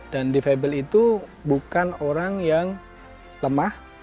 dan defable itu bukan orang yang lemah